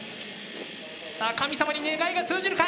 さあ神様に願いが通じるか？